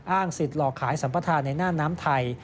อ้างสิทธิ์หลอกขายสัมประธานในน่าน้ำไทย